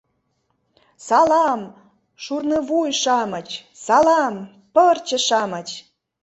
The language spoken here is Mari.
— Салам, шурнывуй-шамыч, салам, пырче-шамыч!